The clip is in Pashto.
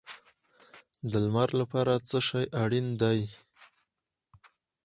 د لمر لپاره څه شی اړین دی؟